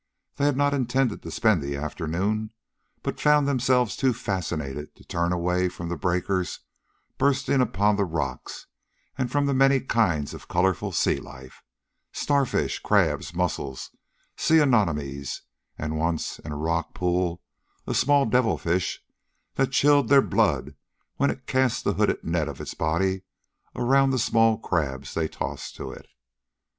They had not intended to spend the afternoon, but found themselves too fascinated to turn away from the breakers bursting upon the rocks and from the many kinds of colorful sea life starfish, crabs, mussels, sea anemones, and, once, in a rock pool, a small devilfish that chilled their blood when it cast the hooded net of its body around the small crabs they tossed to it.